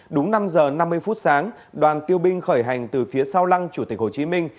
đúng năm giờ năm mươi phút sáng đoàn tiêu binh khởi hành từ phía sau lăng chủ tịch hồ chí minh